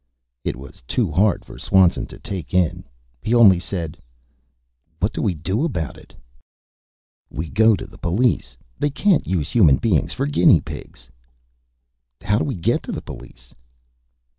It was too hard for Swanson to take in. He only said: "What do we do about it?" "We go to the police. They can't use human beings for guinea pigs!" "How do we get to the police?"